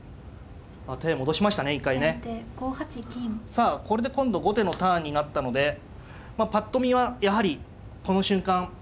さあこれで今度後手のターンになったのでぱっと見はやはりこの瞬間